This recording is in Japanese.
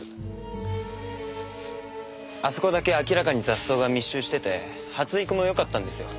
あそこだけ明らかに雑草が密集してて発育も良かったんですよ。